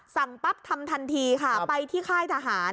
สั่งปั๊บทำทันทีค่ะไปที่ค่ายทหาร